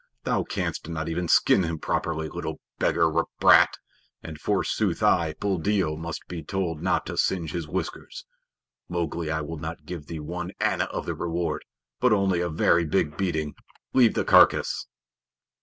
Thou canst not even skin him properly, little beggar brat, and forsooth I, Buldeo, must be told not to singe his whiskers. Mowgli, I will not give thee one anna of the reward, but only a very big beating. Leave the carcass!"